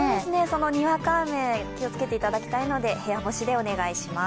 にわか雨、気をつけていただきたいので、部屋干しでお願いします。